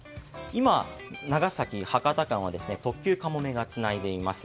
今、長崎博多間は特急「かもめ」がつないでいます。